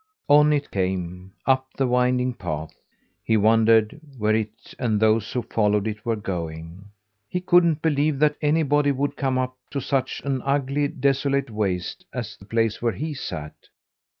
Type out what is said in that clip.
On it came, up the winding path; he wondered where it and those who followed it were going. He couldn't believe that anybody would come up to such an ugly, desolate waste as the place where he sat.